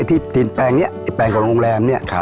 ที่นี่แปรงแปรงโรงแรมนี้